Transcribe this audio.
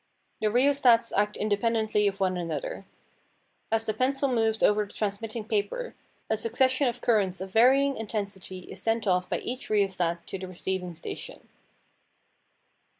The rheostats act independently of one another. As the pencil moves over the transmitting paper, a succession of currents of varying intensity is sent off by each rheostat to the receiving station.